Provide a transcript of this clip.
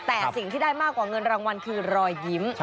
แต่สิ่งที่ได้มากกว่าเงินรางวัลคือรอยยิ้ม